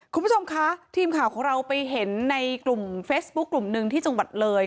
คุณผู้ชมคะทีมข่าวของเราไปเห็นในกลุ่มเฟซบุ๊คกลุ่มหนึ่งที่จังหวัดเลย